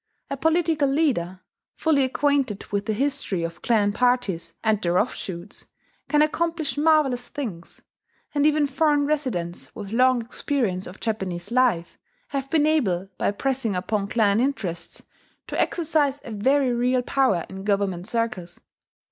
A political leader, fully acquainted with the history of clan parties, and their offshoots, can accomplish marvellous things; and even foreign residents, with long experience of Japanese life, have been able, by pressing upon clan interests, to exercise a very real power in government circles.